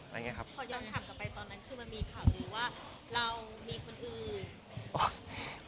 ขอยอมถามกลับไปตอนนั้นคือมันมีความรู้ว่าเรามีคนอื่น